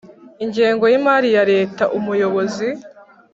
Ingengo y Imari ya Leta umuyobozi